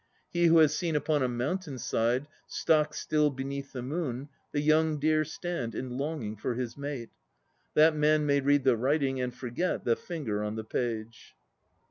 He who has seen upon a mountain side Stock still beneath the moon The young deer stand in longing for his mate, TTiat man may read the writing, and forget The finger on the page.